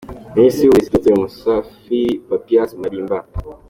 Minisitiri w’Uburezi, Dr Musafiri Papias Malimba.